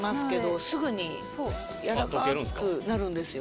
はいすぐにやわらかくなるんですよ